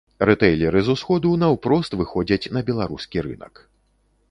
Рытэйлеры з усходу наўпрост выходзяць на беларускі рынак.